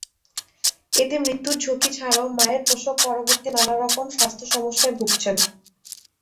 এতে মৃত্যুর ঝুঁকি ছাড়াও মায়েরা প্রসব-পরবর্তী নানা রকম স্বাস্থ্য সমস্যায় ভুগছেন।